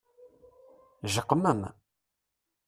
Jeqqmem!